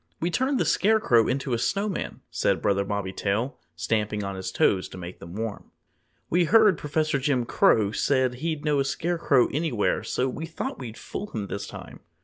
"We turned the Scarecrow into a Snowman," said Brother Bobby Tail, stamping on his toes to make them warm. "We heard Professor Jim Crow say he'd know a Scarecrow anywhere, so we thought we'd fool him this time."